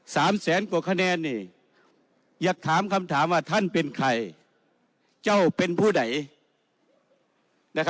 สามแสนกว่าคะแนนนี่อยากถามคำถามว่าท่านเป็นใครเจ้าเป็นผู้ใด